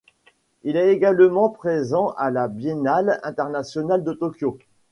Il est également présent à la Biennale internationale de Tokyo.